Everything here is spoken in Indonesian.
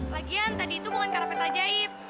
lagian tadi itu bukan karpet ajaib